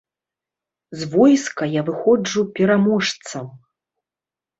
З войска я выходжу пераможцам.